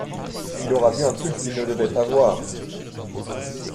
il aura vu un truc qu’il ne devait pas voir